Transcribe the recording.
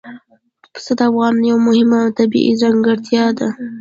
پسه د افغانستان یوه مهمه طبیعي ځانګړتیا ده.